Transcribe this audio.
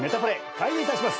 開演いたします。